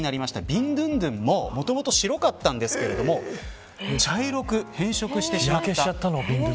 ビン・ドゥンドゥンももともと白かったんですけど茶色く変色してしまった。